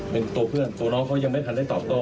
เป็นตัวเพื่อนตัวน้องเขายังไม่ทันได้ตอบโต้